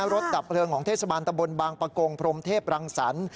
ดับเพลิงของเทศบาลตะบนบางประกงพรมเทพรังสรรค์